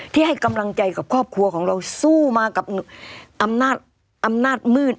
ให้กำลังใจกับครอบครัวของเราสู้มากับอำนาจมืด